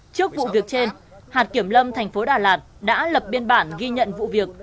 trước vụ việc trên hạt kiểm lâm thành phố đà lạt đã lập biên bản ghi nhận vụ việc